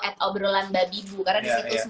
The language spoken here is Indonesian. at obrolan babibu karena disitu